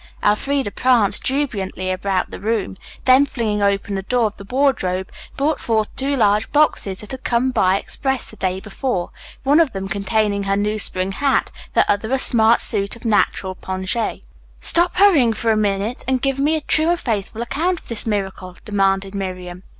Elfreda pranced jubilantly about the room, then flinging open the door of the wardrobe brought forth two large boxes that had come by express the day before, one of them containing her new spring hat, the other a smart suit of natural pongee. [Illustration: The Two Boxes Contained Elfreda's New Suit and Hat.] "Stop hurrying for a minute and give me a true and faithful account of this miracle," demanded Miriam.